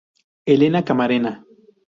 Elena Camarena.